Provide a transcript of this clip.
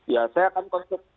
ya saya akan konstruksi